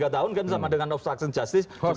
tiga tahun kan sama dengan obstruction justice